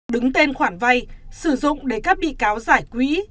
đứng tên khoản vay sử dụng để các bị cáo giải quỹ